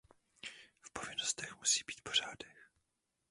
V povinnostech musí být pořádek.